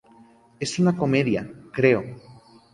Es una comedia, creo.